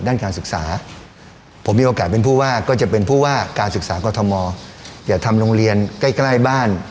ด้านการศึกษาผมมีโอกาสเป็นผู้ว่าก็จะเป็นผู้ว่าการศึกษากรทมอย่าทำโรงเรียนใกล้ใกล้บ้าน